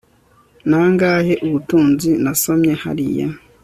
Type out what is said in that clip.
Nangahe ubutunzi nasomye hariya